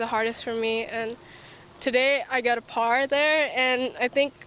dan hari ini saya mendapatkan par di sana